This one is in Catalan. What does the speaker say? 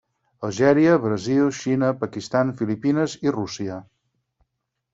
Algèria, Brasil, Xina, Pakistan, Filipines i Rússia.